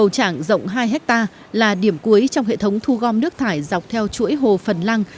trạng rộng hai hectare là điểm cuối trong hệ thống thu gom nước thải dọc theo chuỗi hồ phần lăng